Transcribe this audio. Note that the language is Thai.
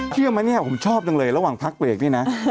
เชื่อไหมเนี่ยผมชอบจังเลยระหว่างพักเบรกนี่นะ